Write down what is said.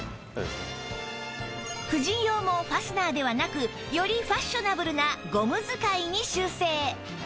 婦人用もファスナーではなくよりファッショナブルなゴム使いに修正